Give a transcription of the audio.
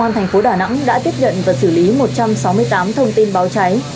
công an thành phố đà nẵng đã tiếp nhận và xử lý một trăm sáu mươi tám thông tin báo cháy